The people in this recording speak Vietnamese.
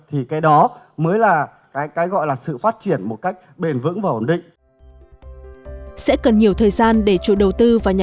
thì cái đó mới là cái gọi là sự phát triển một cách bền vững và hồn định